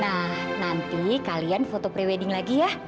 nah nanti kalian foto prewedding lagi ya